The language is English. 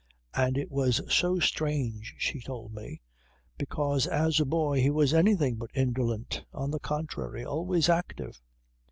And it was so strange, she told me, because as a boy he was anything but indolent. On the contrary. Always active.